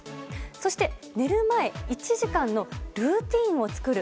そして、寝る前１時間のルーティンを作る。